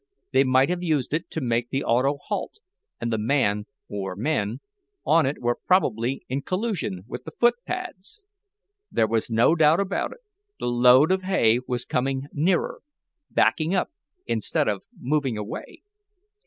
They might have used it to make the auto halt, and the man, or men, on it were probably in collusion with the footpads. There was no doubt about it, the load of hay was coming nearer, backing up instead of moving away.